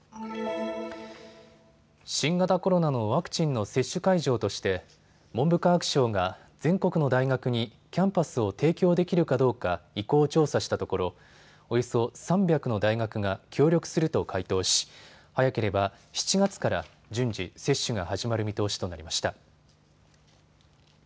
新型コロナのワクチンの接種会場として文部科学省が全国の大学にキャンパスを提供できるかどうか意向を調査したところおよそ３００の大学が協力すると回答し早ければ７月から順次、接種が始まる見通しとなりました。